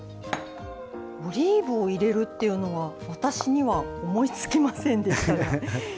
オリーブを入れるっていうのは私には思いつきませんでした。